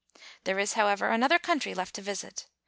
There is, however, another country left to visit.